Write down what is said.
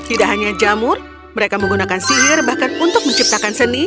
tidak hanya jamur mereka menggunakan sihir bahkan untuk menciptakan seni